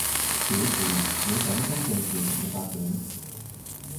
表示你想跟進事情嘅發展